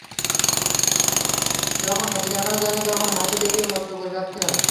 যখন সত্য দেখানো যায় না, তখন হাতি দেখিয়ে মত্ত করে রাখতে হয়।